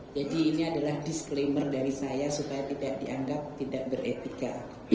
ini adalah disclaimer dari saya supaya tidak dianggap tidak beretika